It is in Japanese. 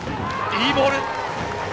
いいボール！